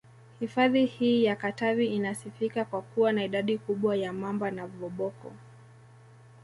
Hifadhi hii ya Katavi inasifika kwa kuwa na idadi kubwa ya Mamba na voboko